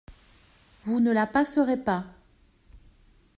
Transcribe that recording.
»Vous ne la passerez pas.